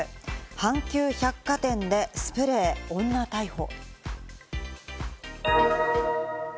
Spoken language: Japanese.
阪急百貨店でスプレー、女逮捕。